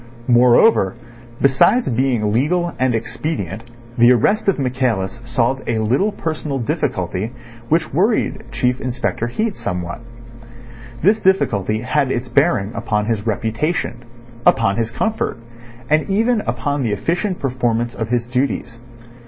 Moreover, besides being legal and expedient, the arrest of Michaelis solved a little personal difficulty which worried Chief Inspector Heat somewhat. This difficulty had its bearing upon his reputation, upon his comfort, and even upon the efficient performance of his duties.